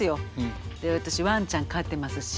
私わんちゃん飼ってますし。